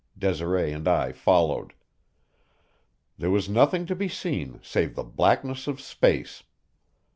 Desiree and I followed. There was nothing to be seen save the blackness of space.